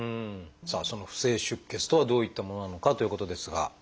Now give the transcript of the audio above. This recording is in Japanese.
その不正出血とはどういったものなのかということですが。